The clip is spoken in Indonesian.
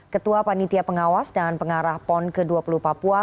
ketua panitia pengawas dan pengarah pon ke dua puluh papua